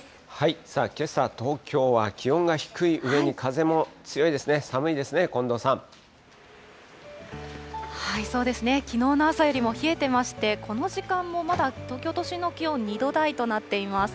さあ、けさ東京は気温が低いうえに風も強いですね、寒いですそうですね、きのうの朝よりも冷えてまして、この時間もまだ東京都心の気温２度台となっています。